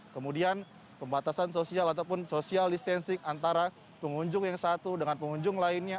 kemudian pembatasan sosial ataupun social distancing antara pengunjung yang satu dengan pengunjung lainnya